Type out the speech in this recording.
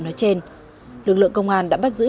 nói trên lực lượng công an đã bắt giữ